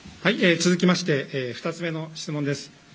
続きまして、２つ目の質問です。